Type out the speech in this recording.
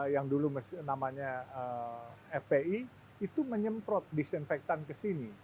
yang dulu namanya fpi itu menyemprot disinfektan ke sini